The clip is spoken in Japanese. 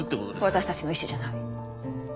私たちの意志じゃない。